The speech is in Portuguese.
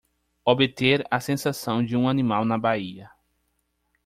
Obter a sensação de um animal na baía!